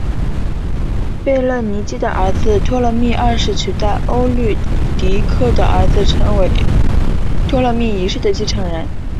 贝勒尼基的儿子托勒密二世取代欧律狄刻的儿子成为托勒密一世的继承人。